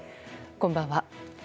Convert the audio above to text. こんばんは。